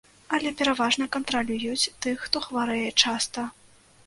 Але пераважна кантралююць тых, хто хварэе часта.